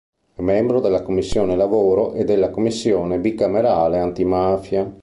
È membro della commissione Lavoro e della Commissione Bicamerale Antimafia.